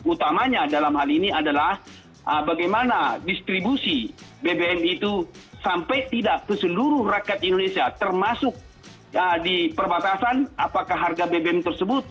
utamanya dalam hal ini adalah bagaimana distribusi bbm itu sampai tidak ke seluruh rakyat indonesia termasuk di perbatasan apakah harga bbm tersebut